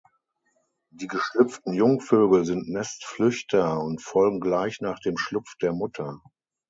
Die geschlüpften Jungvögel sind Nestflüchter und folgen gleich nach dem Schlupf der Mutter.